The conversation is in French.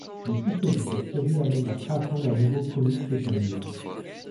Le succès de cette série amène la création d'un nouveau comics éponyme.